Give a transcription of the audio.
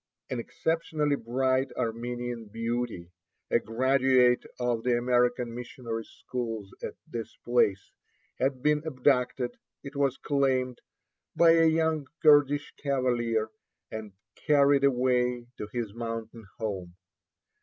An exceptionally bright Armenian beauty, a graduate of the American missionary schools at this place, had been abducted, it was claimed, by a young Kurdish cavalier, and carried away to his mountain home.